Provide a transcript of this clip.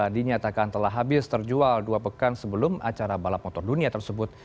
dinyatakan telah habis terjual dua pekan sebelum acara balap motor dunia tersebut